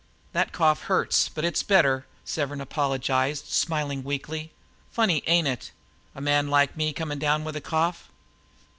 "That cough hurts, but it's better," Severn apologized, smiling weakly. "Funny, ain't it, a man like me coming down with a cough?